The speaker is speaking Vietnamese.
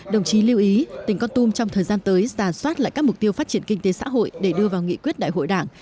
đồng chí lưu ý tỉnh con tum trong thời gian tới giả soát lại các mục tiêu phát triển kinh tế xã hội để đưa vào nghị quyết đại hội đảng